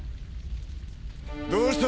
どうした？